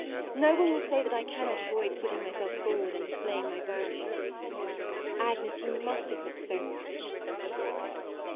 No one will say that I cannot avoid putting my self forward and displaying my verses. Agnes, you must admit so much."